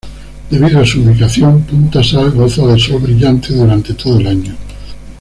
Debido a su ubicación, Punta Sal goza de sol brillante durante todo el año.